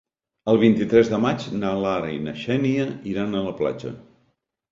El vint-i-tres de maig na Lara i na Xènia iran a la platja.